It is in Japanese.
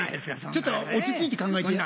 ちょっと落ち着いて考えてや。